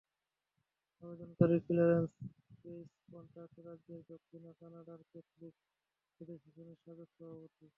আবেদনকারী ক্ল্যারেন্স পেইস কর্ণাটক রাজ্যের দক্ষিণা কানাড়া ক্যাথলিক অ্যাসোসিয়েশনের সাবেক সভাপতি।